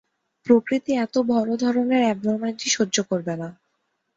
প্রকৃতি এত বড় ধরনের অ্যাবনর্ম্যালিটি সহ্য করবে না।